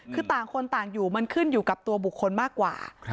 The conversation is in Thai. คือต่างคนต่างอยู่มันขึ้นอยู่กับตัวบุคคลมากกว่า